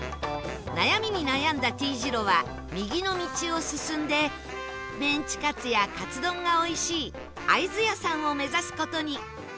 悩みに悩んだ Ｔ 字路は右の道を進んでメンチカツやカツ丼がおいしい愛津屋さんを目指す事に